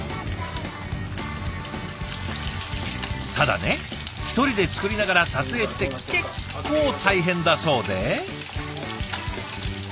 ただね１人で作りながら撮影って結構大変だそうで。